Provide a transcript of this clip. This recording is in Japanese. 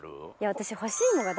私。